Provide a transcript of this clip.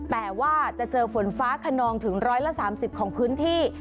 แต่ว่าจะเจอฝนฟ้าขนองถึง๑๓๐ของพื้นที่